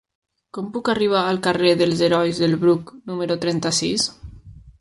Com puc arribar al carrer dels Herois del Bruc número trenta-sis?